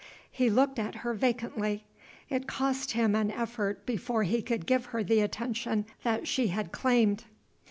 He looked at her vacantly. It cost him an effort before he could give her the attention that she had claimed.